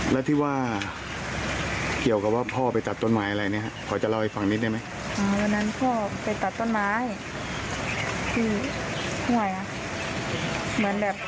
เราคิดว่าเกิดจากอะไรครับ